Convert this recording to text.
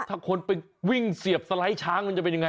ถ้าคนไปวิ่งเสียบสไลด์ช้างมันจะเป็นยังไง